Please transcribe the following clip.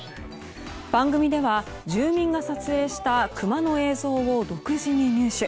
番組では住民が撮影したクマの映像を独自に入手。